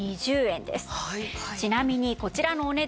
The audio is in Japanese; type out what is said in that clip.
ちなみにこちらのお値段